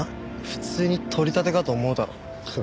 普通に取り立てかと思うだろ。